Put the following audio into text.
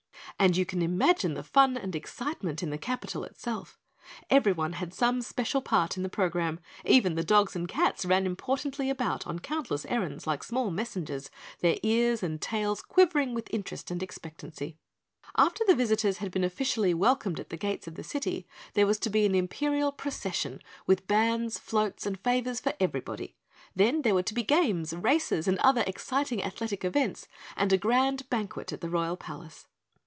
And you can imagine the fun and excitement in the capital itself. Everyone had some special part in the program, even the dogs and cats ran importantly about on countless errands like small messengers, their ears and tails quivering with interest and expectancy. After the visitors had been officially welcomed at the gates of the city, there was to be an imperial procession with bands, floats and favors for everybody. Then there were to be games, races, and other exciting athletic events and a grand banquet in the Royal Palace.